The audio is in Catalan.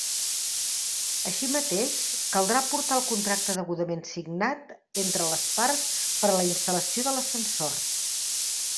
Així mateix, caldrà aportar el contracte degudament signat entre les parts per a la instal·lació de l'ascensor.